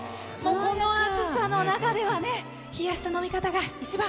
この暑さの中では冷やした飲み方が一番！